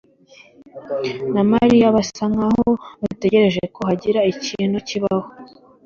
na Mariya basa nkaho bategereje ko hagira ikintu kibaho.